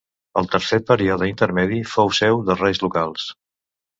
Al tercer període intermedi fou seu de reis locals.